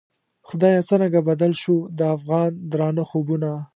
خدایه څرنګه بدل شوو، د افغان درانه خوبونه